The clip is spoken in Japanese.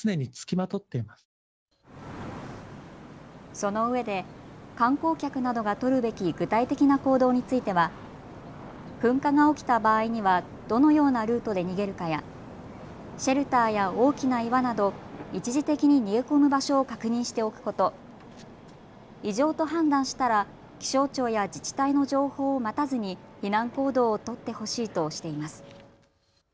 そのうえで観光客などが取るべき具体的な行動については噴火が起きた場合にはどのようなルートで逃げるかやシェルターや大きな岩など一時的に逃げ込む場所を確認しておくこと、異常と判断したら気象庁や自治体の情報を待たずに避難行動を取ってほしいとしています。